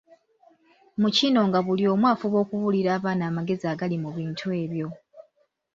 Mu kino nga buli omu afuba okubuulira abaana amagezi agali mu bintu ebyo.